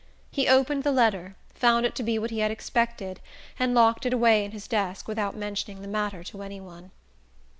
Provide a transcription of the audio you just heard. He opened the letter, found it to be what he had expected, and locked it away in his desk without mentioning the matter to any one.